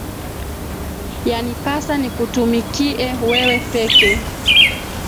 Yanipasa nikutumikie wewe peke.